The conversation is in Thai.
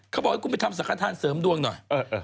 เขาบอกให้ไปทำสังคทาเซิมดวงหน่อย